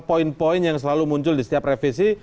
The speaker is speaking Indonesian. poin poin yang selalu muncul di setiap revisi